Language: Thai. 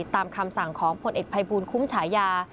ตามคำสั่งของผลเอกภัยบูลคุ้มฉายา